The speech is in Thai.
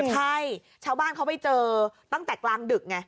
ใช่ชาวบ้านเขาไปเจอตั้งแต่กลางดึกไง